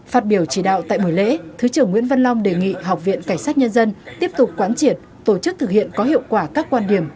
phát biểu chỉ đạo tại buổi lễ thứ trưởng nguyễn văn long đề nghị học viện cảnh sát nhân dân tiếp tục quán triệt tổ chức thực hiện có hiệu quả các quan điểm